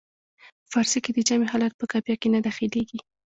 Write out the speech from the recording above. په فارسي کې د جمع حالت په قافیه کې نه داخلیږي.